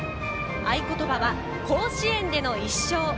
合言葉は、甲子園での１勝。